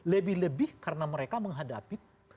lebih lebih karena mereka menghadapi tanda tanda yang berbeda